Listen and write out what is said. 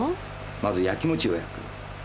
まず焼きもちを焼く。